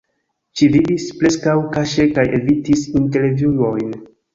Ŝi vivis preskaŭ kaŝe kaj evitis intervjuojn.